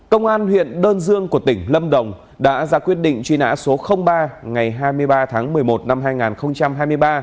công an huyện đơn dương của tỉnh lâm đồng đã ra quyết định truy nã số ba ngày hai mươi ba tháng một mươi một năm hai nghìn hai mươi ba